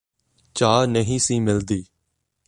ਚਾਹ ਨਹੀਂ ਸੀ ਮਿਲਦੀ